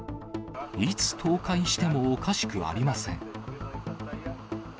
いつ、倒壊してもおかしくありません。